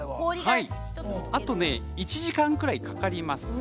あと１時間ぐらいかかります。